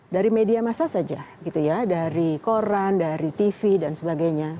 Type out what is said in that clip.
dari media massa saja gitu ya dari koran dari tv dan sebagainya